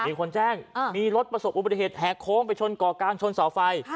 มีคนแจ้งมีรถประสบอุบัติเหตุแหกโค้งไปชนก่อกลางชนเสาไฟ